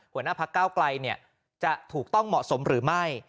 หัวหน้าพักเก้าไกลจะถูกต้องเหมาะสมหรือไม่